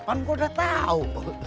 kan gue udah tahu